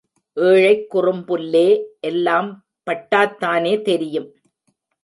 ஏழைக் குறும்புல்லே, எல்லாம் பட்டாத்தானே தெரியும்.